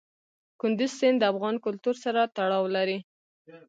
کندز سیند د افغان کلتور سره تړاو لري.